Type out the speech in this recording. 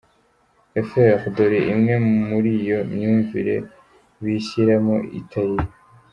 fr dore imwe muri iyo myumvire bishyiramo itari yo:.